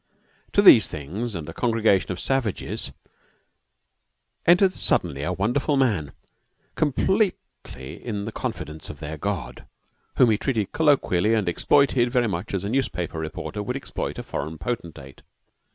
To these things and a congregation of savages entered suddenly a wonderful man, completely in the confidence of their God, whom he treated colloquially and exploited very much as a newspaper reporter would exploit a foreign potentate.